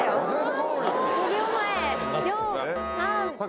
５秒前。